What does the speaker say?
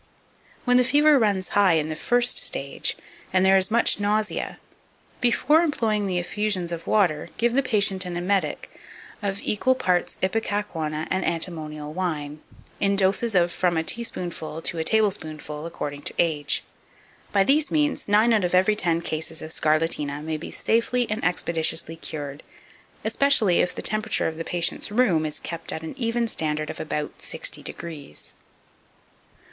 2563. When the fever runs high in the first stage, and there is much nausea, before employing the effusions of water, give the patient an emetic, of equal, parts of ipecacuanha and antimonial wine, in doses of from a teaspoonful to a tablespoonful, according to age. By these means, nine out of every ten cases of scarlatina may be safely and expeditiously cured, especially if the temperature of the patient's room is kept at an even standard of about sixty degrees.